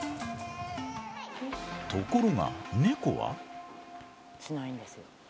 ところがネコは。